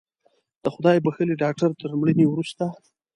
د خدای بښلي ډاکتر تر مړینې وروسته